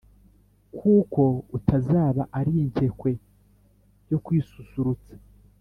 kuko utazaba ari inkekwe yo kwisusurutsa,